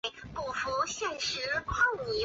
江南金山人。